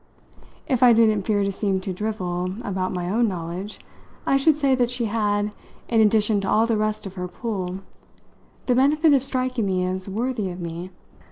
If I didn't fear to seem to drivel about my own knowledge I should say that she had, in addition to all the rest of her "pull," the benefit of striking me as worthy of me.